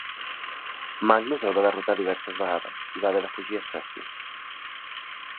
Magnus el va derrotar diverses vegades, i va haver de fugir a Suècia.